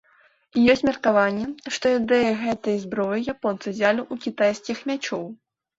Ёсць меркаванне, што ідэю гэтай зброі японцы ўзялі ў кітайскіх мячоў.